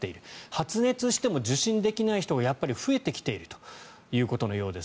発熱しても受診できない人が増えてきているということのようです。